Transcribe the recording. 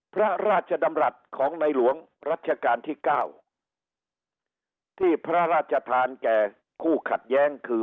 พระราชดำรัฐของในหลวงรัชกาลที่เก้าที่พระราชทานแก่คู่ขัดแย้งคือ